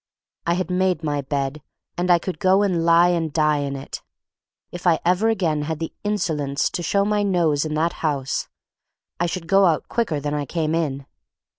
I had made my bed, and I could go and lie and die in it. If I ever again had the insolence to show my nose in that house, I should go out quicker than I came in.